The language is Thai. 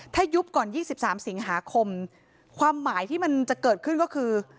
ถ้ายุบก่อน๒๓สิงหาคมความหมายที่มันจะเกิดขึ้นก็คือ